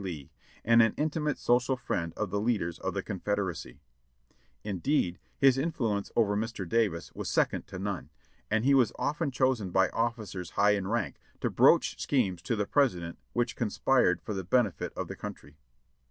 Lee, and an intimate social friend of the lead ers of the Confederac3^ Indeed his influence over Mr. Davis was second to none, and he was often chosen by officers high in rank to broach schemes to the President which conspired for the benefit of the country.